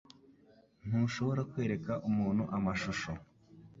Ntushobora kwereka umuntu amashusho.